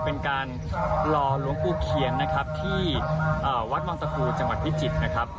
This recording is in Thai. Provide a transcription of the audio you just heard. เป็นการรอหลวงปู่เคียนนะครับที่วัดวังตะคูจังหวัดพิจิตรนะครับ